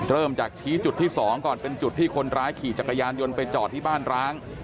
เริ่มจากชี้จุดที่๒ก่อนเป็นจุดที่คนร้ายขี่จักรยานยนต์ไปจอดที่บ้านร้าง